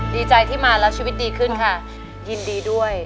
ดีใจที่มาแล้วชีวิตดีขึ้นค่ะยินดีด้วย